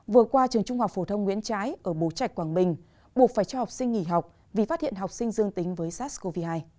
vừa qua trường trung học phổ thông nguyễn trãi ở bố trạch quảng bình buộc phải cho học sinh nghỉ học vì phát hiện học sinh dương tính với sars cov hai